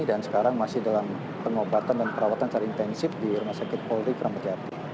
dan sekarang masih dalam pengobatan dan perawatan secara intensif di rumah sakit polri kramat jatuh